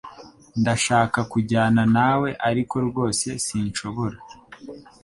Ndashaka kujyana nawe ariko rwose sinshobora